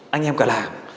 anh em cả là